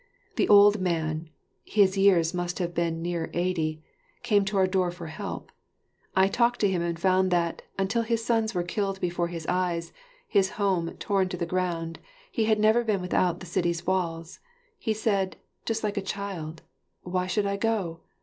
One old man his years must have been near eighty came to our door for help. I talked to him and found that, until his sons were killed before his eyes, his home torn to the ground, he had never been without the city's walls. He said, just like a child, "Why should I go?